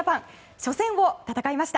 初戦を戦いました。